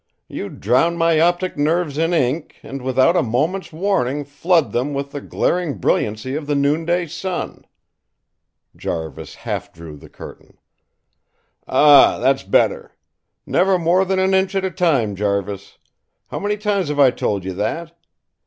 You drown my optic nerves in ink and, without a moment's warning, flood them with the glaring brilliancy of the noonday sun!" Jarvis half drew the curtain. "Ah, that's better. Never more than an inch at a time, Jarvis. How many times have I told you that?